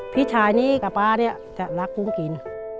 พี่ชายนี้กับป๊าเนี่ยจะรักกุ้งกิน